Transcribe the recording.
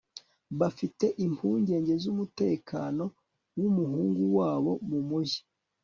bafite impungenge zumutekano wumuhungu wabo mumujyi